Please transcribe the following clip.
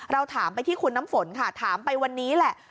เราถามไปที่คุณน้ำฝนค่ะถามไปวันนี้แหละ